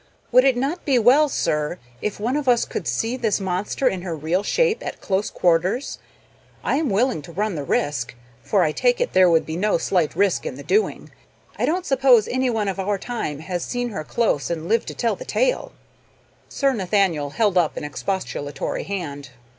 "Would it not be well, sir, if one of us could see this monster in her real shape at close quarters? I am willing to run the risk for I take it there would be no slight risk in the doing. I don't suppose anyone of our time has seen her close and lived to tell the tale." Sir Nathaniel held up an expostulatory hand.